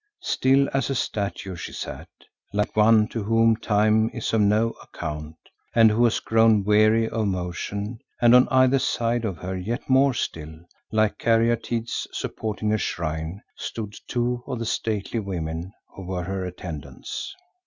Still as a statue she sat, like one to whom time is of no account and who has grown weary of motion, and on either side of her yet more still, like caryatides supporting a shrine, stood two of the stately women who were her attendants.